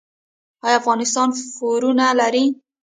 آیا افغانستان پورونه لري؟